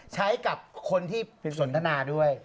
ใช้กับสนทนาด้วย